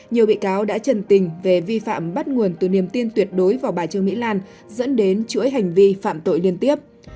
nhiều bị cáo đã trần tình về vi phạm bắt nguồn từ niềm tin tuyệt đối vào bà trương mỹ lan dẫn đến chuỗi hành vi phạm tội liên tiếp